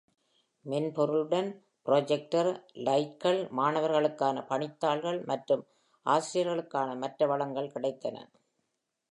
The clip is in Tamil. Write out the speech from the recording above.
மென்பொருளுடன், ப்ரொஜக்டர் ஸ்லைட்கள், மாணவர்களுக்கான பணித்தாள்கள் மற்றும் ஆசிரியர்களுக்கான மற்ற வளங்கள் கிடைத்தன.